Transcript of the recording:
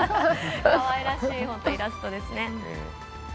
かわいらしいイラストですね。